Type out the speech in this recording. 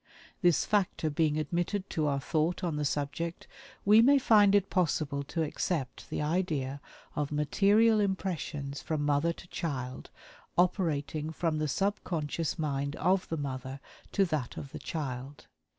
This factor being admitted to our thought on the subject, we may find it possible to accept the idea of material impressions from mother to child operating from the subconscious mind of the mother to that of the child.